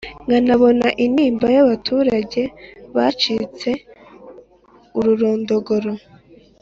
nkanabona intimba y'abaturage bacitse ururondogoro